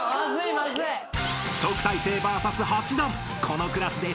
［このクラスで］